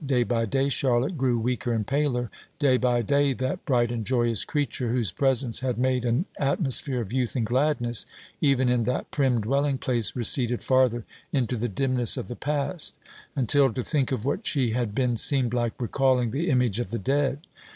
Day by day Charlotte grew weaker and paler; day by day that bright and joyous creature, whose presence had made an atmosphere of youth and gladness even in that prim dwelling place, receded farther into the dimness of the past; until to think of what she had been seemed like recalling the image of the dead.